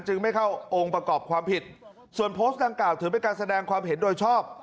ไม่เข้าองค์ประกอบความผิดส่วนโพสต์ดังกล่าวถือเป็นการแสดงความเห็นโดยชอบ